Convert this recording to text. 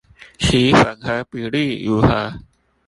其混合比例如何？